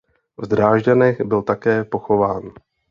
V Drážďanech byl také pochován.